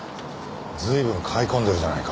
随分買い込んでるじゃないか。